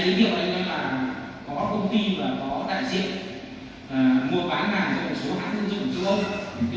thế thì quận và đỉnh cũng là tất cả các loại quản lệ